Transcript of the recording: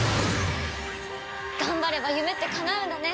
頑張れば夢ってかなうんだね。